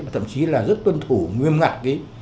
thậm chí là rất tuân thủ nguyên ngặt